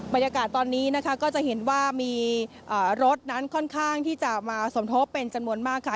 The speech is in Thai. บรรยากาศตอนนี้นะคะก็จะเห็นว่ามีรถนั้นค่อนข้างที่จะมาสมทบเป็นจำนวนมากค่ะ